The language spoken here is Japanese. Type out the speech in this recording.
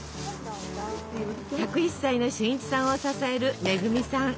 １０１歳の俊一さんを支える恵さん。